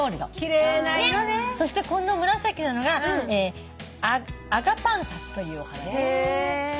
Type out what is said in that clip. そしてこの紫なのがアガパンサスというお花です。